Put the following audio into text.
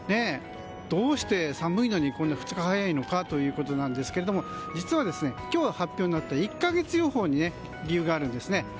どうして寒いのに２日早いのかということですが実は、今日発表のあった１か月予報に理由があるんですね。